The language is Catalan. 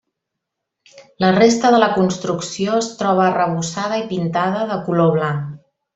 La resta de la construcció es troba arrebossada i pintada de color blanc.